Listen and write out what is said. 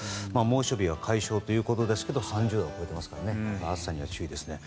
猛暑日は解消ということですけど３０度は超えていますから暑さには注意ですね。